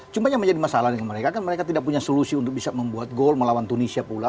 cuma yang menjadi masalah dengan mereka kan mereka tidak punya solusi untuk bisa membuat gol melawan tunisia pula